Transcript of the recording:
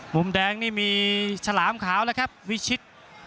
มุมแดงนี่มีฉลามขาวแล้วครับวิชิต